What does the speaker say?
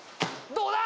どうだ！？